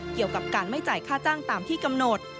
เกี่ยวกับการไม่จ่ายค่าจ้างตามที่กำหนด